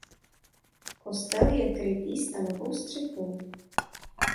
Kostel je krytý stanovou střechou.